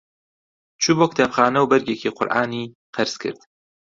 چوو بۆ کتێبخانە و بەرگێکی قورئانی قەرز کرد.